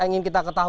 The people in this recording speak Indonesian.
yang jelas itu tidak